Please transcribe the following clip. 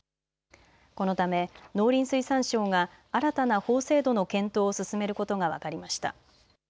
このため農林水産省が新たな法制度の検討を進めることが分かりました。